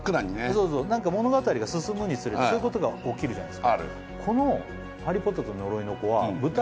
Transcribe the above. そうそう何か物語が進むにつれてそういうことが起きるじゃないある